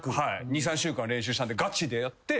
２３週間練習したんでガチでやって。